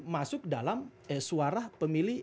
masuk dalam suara pemilih